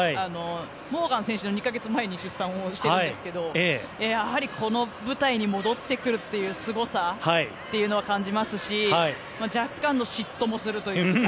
モーガン選手の２か月前に出産をしているんですけどやはり、この舞台に戻ってくるというすごさは感じますし若干の嫉妬もするというか